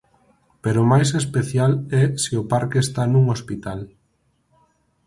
Pero máis especial é se o parque está nun hospital...